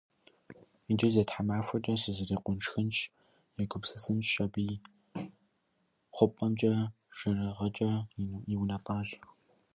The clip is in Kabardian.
«Иджы зы тхьэмахуэкӀэ сызрикъун сшхынщ», - егупсысщ аби, хъупӀэмкӀэ жэрыгъэкӀэ иунэтӀащ.